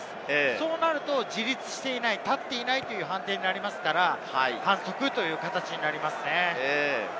そうなると自立していない、立っていないという判定になりますから反則になります。